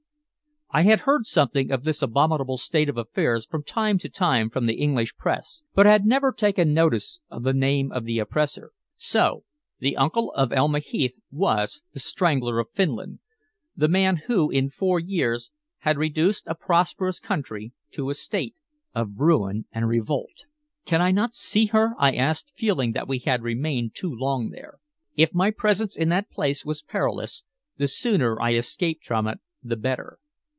I had heard something of this abominable state of affairs from time to time from the English press, but had never taken notice of the name of the oppressor. So the uncle of Elma Heath was "The Strangler of Finland," the man who, in four years, had reduced a prosperous country to a state of ruin and revolt! "Cannot I see her?" I asked, feeling that we had remained too long there. If my presence in that place was perilous the sooner I escaped from it the better.